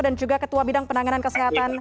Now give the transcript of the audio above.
dan juga ketua bidang penanganan kesehatan